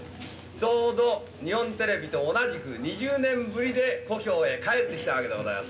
ちょうど日本テレビと同じく２０年ぶりで故郷へ帰って来たわけでございます。